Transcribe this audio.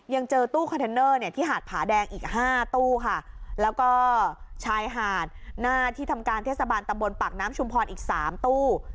ยังเจอตู้คอนเทนเนอร์เนี่ยที่หาดผาแดงอีกห้าตู้ค่ะแล้วก็ชายหาดหน้าที่ทำการเทศบาลตำบลปากน้ำชุมพรอีกสามตู้